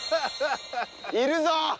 いるぞ！